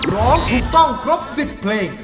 ร้องถูกต้องครบ๑๐เพลง